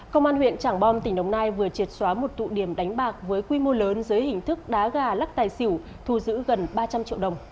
công an huyện trảng bom tỉnh đồng nai vừa triệt xóa một tụ điểm đánh bạc với quy mô lớn dưới hình thức đá gà lắc tài xỉu thu giữ gần ba trăm linh triệu đồng